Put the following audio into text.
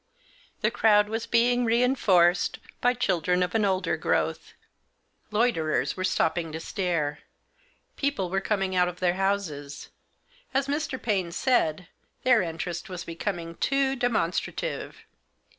The crowd was being reinforced by children of an older growth. Loiterers were stopping to stare. People were coming out of their houses. As Mr. Paine said, their interest was becoming too demonstra tive.